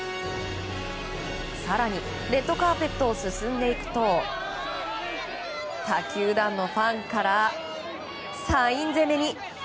更に、レッドカーペットを進んでいくと他球団のファンからサイン攻めに。